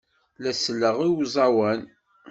La selleɣ i uẓawan.